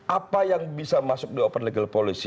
apa yang bisa masuk di open legal policy